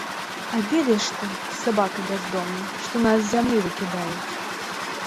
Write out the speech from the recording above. А ведаеш ты, сабака бяздомны, што нас з зямлі выкідаюць?